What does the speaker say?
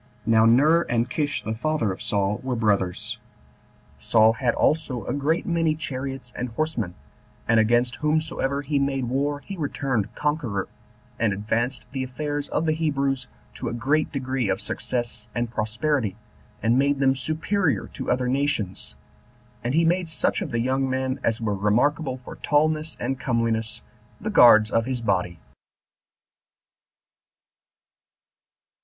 Now Ner, and Kish the father of Saul, were brothers. Saul had also a great many chariots and horsemen, and against whomsoever he made war he returned conqueror, and advanced the affairs of the Hebrews to a great degree of success and prosperity, and made them superior to other nations; and he made such of the young men as were remarkable for tallness and comeliness the guards of his body.